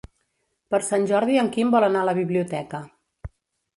Per Sant Jordi en Quim vol anar a la biblioteca.